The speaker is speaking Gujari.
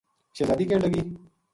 شہزادی کہن لگی